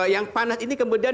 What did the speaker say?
yang panas ini kemudian